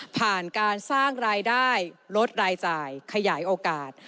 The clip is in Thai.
การสร้างรายได้ลดรายจ่ายขยายโอกาส